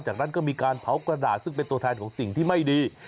จากนั้นก็มีการเผากระดาษซึ่งเป็นตัวแทนของสิ่งที่ไม่ดี